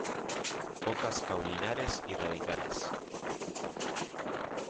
Hojas caulinares y radicales.